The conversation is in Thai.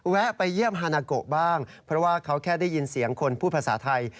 ไปเยี่ยมฮานาโกะบ้างเพราะว่าเขาแค่ได้ยินเสียงคนพูดภาษาไทย